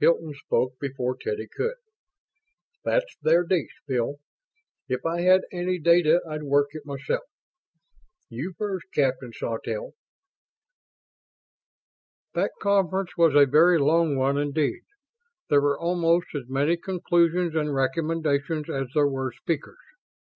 Hilton spoke before Teddy could. "That's their dish, Bill. If I had any data I'd work it myself. You first, Captain Sawtelle." That conference was a very long one indeed. There were almost as many conclusions and recommendations as there were speakers.